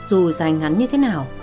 dù dài ngắn như thế nào